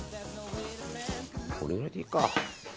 これくらいでいいか。